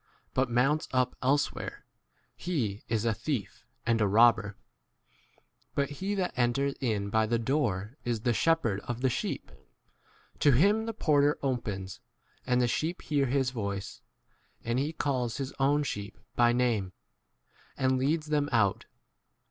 ' There is some difficulty about 2 a thief and a robber ; but he that enters in by the door is [the] shep 3 herd of the sheep. To him the porter opens ; and the sheep hear his voice; and he calls his own sheep by name, and leads them 4 out.